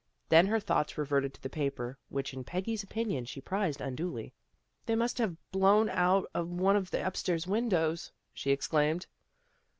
Then her thoughts reverted to the paper, which in Peggy's opinion she prized unduly. " They must have blown out of one of the upstairs windows," she exclaimed.